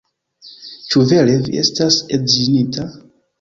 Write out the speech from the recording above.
Ĉu vere vi estas edziniĝinta?